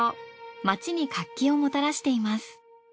街に活気をもたらしています。